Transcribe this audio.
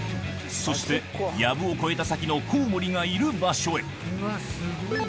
そして、やぶを越えた先の、コウモリがいる場所へ。